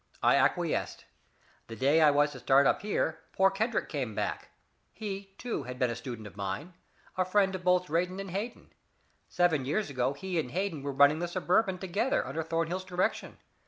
I acquiesced. The day I was to start up here, poor Kendrick came back. He, too, had been a student of mine; a friend of both Drayton and Hayden. Seven years ago he and Hayden were running the Suburban together, under Thornhill's direction.